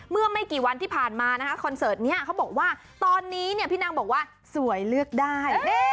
เมื่อไม่กี่วันที่ผ่านมานะคะคอนเสิร์ตนี้เขาบอกว่าตอนนี้พี่นางบอกว่าสวยเลือกได้